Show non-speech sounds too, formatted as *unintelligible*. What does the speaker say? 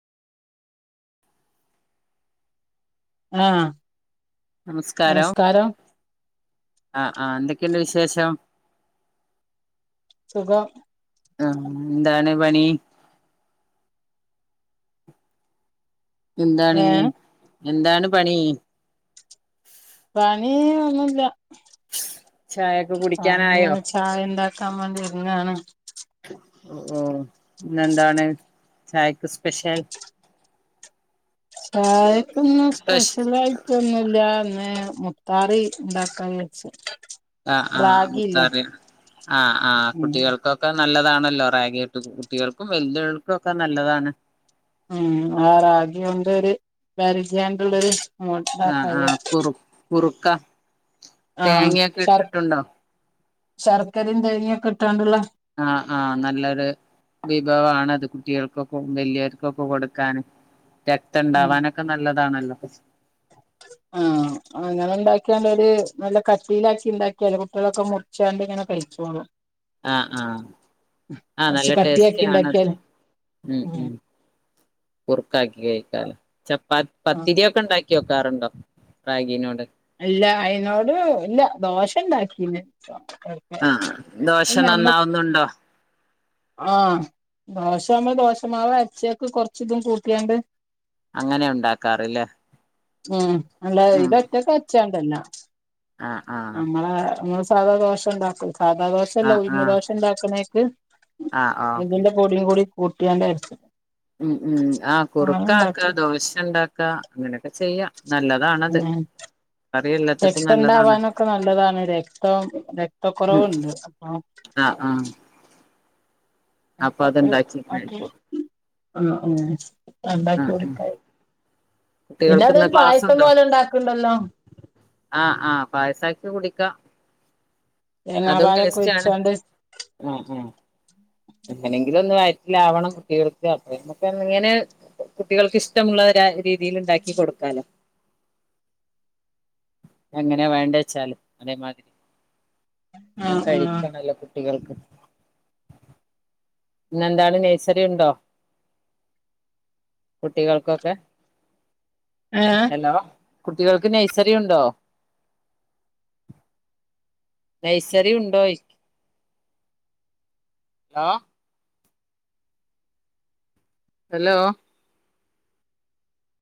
ആ നമസ്കാരം ആ ആ എന്തൊക്കെയുണ്ട് വിശേഷം സുഖം ആ എന്താണ് പണി എന്താണ് ഏഹ് എന്താണ് പണി പണിയ ഒന്നുമില്ല ചായൊക്കെ അ കുടിക്കാനായോ ഇങ്ങനെ ചായ ഉണ്ടാക്കാൻ വേണ്ടി ഇരുന്നാണ് ഓ ഇന്നെന്താണ് ചായക്ക് സ്പെഷ്യൽ ചായക്കൊന്നും സ്പെഷ്യലായിട്ടൊന്നുമില്ലന്ന മുത്താറി ഉണ്ടാക്കാ വച്ച ആ ആ മുത്താറിയ ആ ആ ഉം കുട്ടികൾക്കൊക്കെ നല്ലതാണല്ലോ റാഗിട്ട് കുട്ടികൾക്കും വല്ലുൾക്കും ഒക്കെ നല്ലതാണ് ഉം ആ റാഗി കൊണ്ട് ഒരു പരിചയണ്ടുള്ളരു ആ ആ കുറു കുറുക്ക ആ തേങ്ങയൊക്കെ ശർ ഇട്ടിട്ടുണ്ടോ ശർക്കരയും തേനൊക്കെ ഇിട്ടാണ്ടുള്ള ആ ആ നല്ലൊരു വിഭവണത് കുട്ടികൾക്കൊക്കെ വലിയർക്കൊക്കെ കൊടുക്കാന് രക്തം ഉണ്ടാാവാനൊക്കെ നല്ലതാണല്ലോ ആ അങ്ങനെ ഉണ്ടാക്കിയാണ്ട് ഒരു നല്ല കട്ടയിലാക്കി ഉണ്ടാക്കിയല് കുട്ടികളൊക്കെ മുറിച്ചാണ്ട് ഇങ്ങനെ കഴിച്ചോളൂ ആ ആ ആ നല്ല കൊറച്ച് ടേസ്റ്റ കട്ടിയാക്കി ആണത് ഉണ്ടാക്കിയാല് ഉം ഉം കുറുക്കാക്കി കഴിക്കാലോ ചപ്പാ ആഹ് പത്തിരിയ ഒക്കെ ഉണ്ടാക്കി വെക്കാറുണ്ടോ റാഗിനോട് അല്ല അയിതിനോട് ഇല്ല ദോഷ ഇണ്ടാക്കി ആ ദോഷം നന്നാവുന്നുണ്ടോ ആ... ദോഷമാ ദോഷമാവ് അച്ചയക്ക് കൊറച്ച ഇതും കൂട്ടിയാണ്ട് അങ്ങനെ ഉണ്ടാക്കാറില്ലേ ഉം നല്ല ഉം ഇതൊറ്റക്കെ അച്ചാണ്ടല്ല ആഹ് ആഹ് നമ്മള സാധാദോശ ഉണ്ടാക്കും സാധാദോശല്ല ആഹ് ഉഴിഞ്ഞ് ആഹ് ദോശ ഉണ്ടാക്കുന്നേക്ക് ആഹ് ഇതിന്റെ പൊടിയും കൂടി കൂട്ടിയാണ്ടരച്ച് ഉ ഉം ആ കുറുക്ക ആക്ക ഉണ്ടാക്കും ദോശ ഉണ്ടാക്ക അങ്ങനെയൊക്കെ ചെയ്യ ചെയ്യ നല്ലതാണത് കറി എല്ലാത്തക്കും രക്ത നല്ലതാണ് ഉണ്ടാവാനൊക്കെ നല്ലതാണ്. രക്തം രക്തക്കുറവുണ്ട് അപ്പൊ ആ അപ്പൊ അത് കഴി അക്കെ ആ ഉം ഉണ്ടാക്കി ആഹ് ആഹ് കൊടുക്ക പിന്നെ കുട്ടികൾക്ക്ന്ന് അതൊരു പായസം പോലെ ഉണ്ടാക്കണ്ടല്ലോ? ആഹ ആഹ് പായസക്ക കുടിക്കാം. അതും തേങ്ങാപാലൊക്കെ ടേസ്റ്റ് ആാണ് ഒഴിച്ചാണ്ട് ആആ എങ്ങനെങ്കിലും ഒന്ന് വ ലവണം കുട്ടികൾക്ക് അത്രയുംക്കെ ഇങ്ങനെ കുട്ടികൾക്ക് ഇഷ്ടമുള്ളീതി രീതിൽ ഉണ്ടാക്കി കൊടുക്കാലോ എങ്ങനെയ വേണ്ട വെച്ചാല് അതേമാതിരി. ആഹ് ആഹ് *unintelligible* കുട്ടികൾക്ക് ഇന്നെന്താണ് നഴ്സറി ഉണ്ടോ കുട്ടികൾക്കൊക്കെ ഏ ഹലോ കുട്ടികൾക്ക് നഴ്സറി ഉണ്ടോ? നൈസറി ഉണ്ടോ ഹലോ ഹലോ